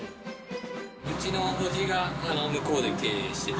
うちの叔父が、向こうで経営してて。